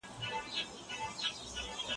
صبرکړه واصله هرڅه پای لري